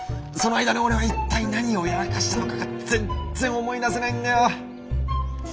その間に俺は一体何をやらかしたのかが全然思い出せないんだよ。